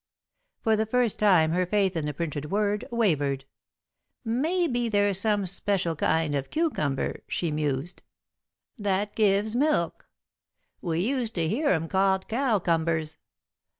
For the first time her faith in the printed word wavered. "Maybe there's some special kind of cucumber," she mused, "that gives milk. We used to hear 'em called cowcumbers.